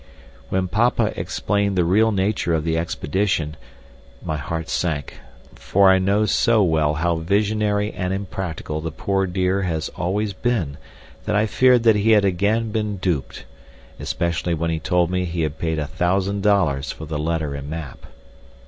When papa explained the real nature of the expedition, my heart sank, for I know so well how visionary and impractical the poor dear has always been that I feared that he had again been duped; especially when he told me he had paid a thousand dollars for the letter and map.